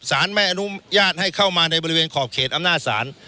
สารไม่อนุญาตให้เข้ามาในบริเวณขอบเขตอำนาจศาล